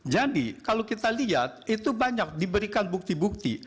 jadi kalau kita lihat itu banyak diberikan bukti bukti